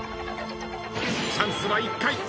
チャンスは１回。